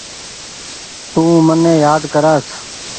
تو مني يآد ڪرآس ۔